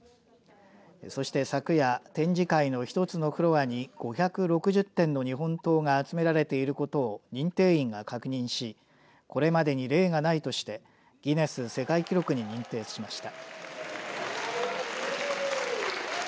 そして昨夜展示会の一つのフロアに５６０点の日本刀が集められていることを認定員が確認しこれまでに例がないとしてギネス世界記録に認定しました。